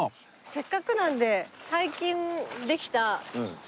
せっかくなので。